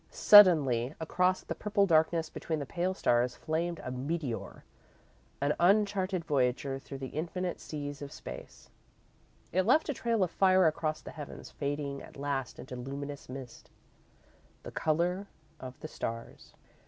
Suddenly, across the purple darkness between the pale stars, flamed a meteor an uncharted voyager through infinite seas of space. It left a trail of fire across the heavens, fading at last into luminous mist, the colour of the stars.